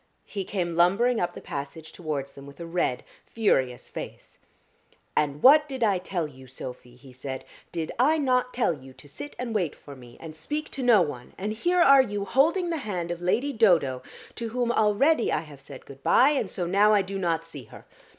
He came lumbering up the passage towards them with a red, furious face. "And what did I tell you, Sophy?" he said. "Did I not tell you to sit and wait for me and speak to no one, and here are you holding the hand of Lady Dodo, to whom already I have said good bye, and so now I do not see her.